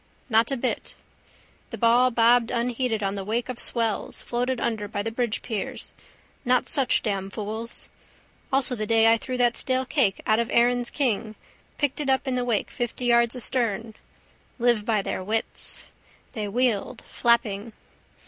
Not a bit. The ball bobbed unheeded on the wake of swells, floated under by the bridgepiers. Not such damn fools. Also the day I threw that stale cake out of the Erin's King picked it up in the wake fifty yards astern. Live by their wits. They wheeled, flapping.